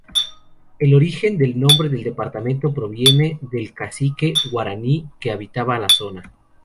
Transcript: El origen del nombre del departamento proviene del Cacique guaraní que habitaba la zona.